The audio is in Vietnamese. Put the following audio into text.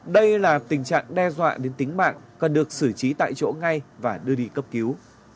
đây là tình trạng đe dọa đến tính mạng cần được xử trí tại chỗ ngay và đưa đi cấp cứu